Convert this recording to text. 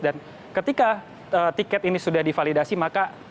dan ketika tiket ini sudah divalidasi maka